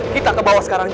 kita ke bawah sekarang